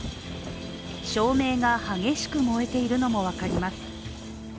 照明が激しく燃えているのも分かります。